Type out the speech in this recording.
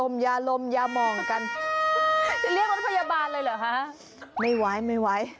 ไม่ไหว